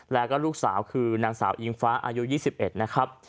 แล้วก็ลูกสาวคือนางสาวอิงฟ้าอายุ๒๑นะครับ